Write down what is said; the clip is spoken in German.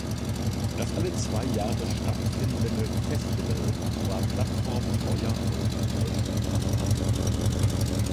Das alle zwei Jahre stattfindende Festival war Plattform neuer europäischer Dramatik.